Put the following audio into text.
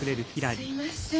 すいません。